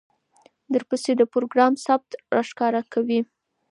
درپسې د پروګرام ثبت راښکاره کوي،